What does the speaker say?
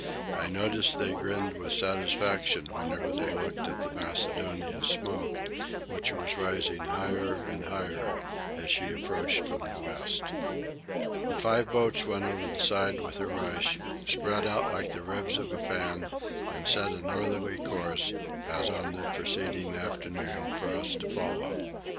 I noticed they grinned with satisfaction whenever they looked at the Macedonia's smoke, which was rising higher and higher as she approached from the west. The five boats went over the side with a rush, spread out like the ribs of a fan, and set a northerly course, as on the preceding afternoon, for us to follow.